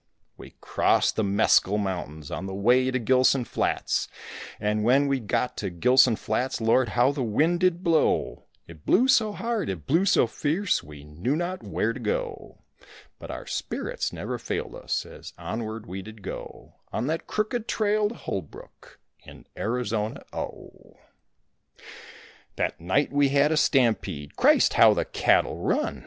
We crossed the Mescal Mountains on the way to Gilson Flats, And when we got to Gilson Flats, Lord, how the wind did blow; It blew so hard, it blew so fierce, we knew not where to go, But our spirits never failed us as onward we did go, On that crooked trail to Holbrook, in Arizona oh. That night we had a stampede; Christ, how the cattle run!